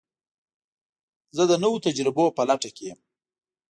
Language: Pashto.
زه د نوو تجربو په لټه کې یم.